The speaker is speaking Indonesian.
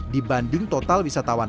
dibanding total wisatawan